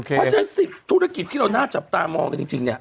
เพราะฉะนั้น๑๐ธุรกิจที่เราน่าจับตามองกันจริงเนี่ย